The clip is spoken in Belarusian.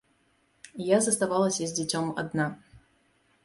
Я заставалася з дзіцём адна.